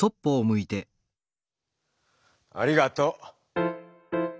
ありがと。